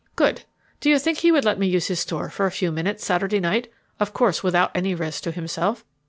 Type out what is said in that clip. "Good! Do you think he would let me use his store for a few minutes Saturday night of course without any risk to himself?"